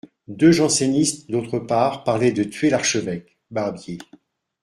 Deux jansénistes d'autre part parlaient de tuer l'archevêque (Barbier).